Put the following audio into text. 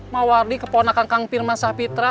mawardi keponakan kang pirmansah pitra